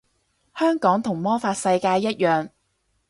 香港同魔法世界一樣